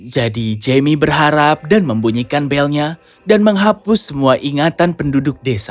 jadi jamie berharap dan membunyikan belnya dan menghapus semua ingatan penduduk desa